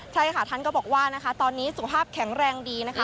ใช่ค่ะท่านก็บอกว่านะคะตอนนี้สุขภาพแข็งแรงดีนะคะ